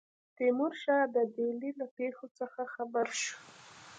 تیمورشاه د ډهلي له پیښو څخه خبر شو.